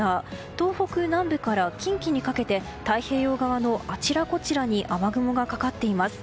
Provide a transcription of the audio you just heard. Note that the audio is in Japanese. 東北南部から近畿にかけて太平洋側のあちらこちらに雨雲がかかっています。